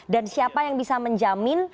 dan siapa yang bisa menjamin